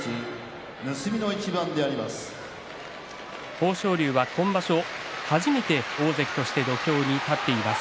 豊昇龍は今場所、初めて大関として土俵に立っています。